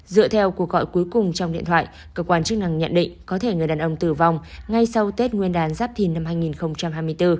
dựa theo cuộc gọi cuối cùng trong điện thoại cơ quan chức năng nhận định có thể người đàn ông tử vong ngay sau tết nguyên đán giáp thìn năm hai nghìn hai mươi bốn